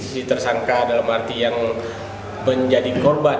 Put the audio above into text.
si tersangka dalam arti yang menjadi korban